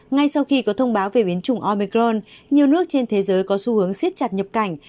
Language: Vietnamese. ngay sau khi có thông báo về biến chủng omicron nhiều nước trên thế giới có xu hướng siết chặt nhập cảnh